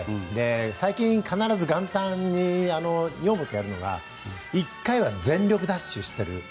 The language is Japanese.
最近必ず元旦に女房とやるのが１回は全力ダッシュしてる。